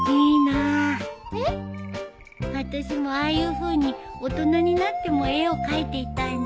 えっ？あたしもああいうふうに大人になっても絵を描いていたいな。